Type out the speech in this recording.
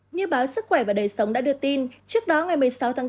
như báo sức khỏe và đời sống đã đưa tin trước đó ngày một mươi sáu tháng bốn